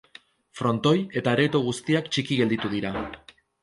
Frontoi eta areto guztiak txiki gelditu dira.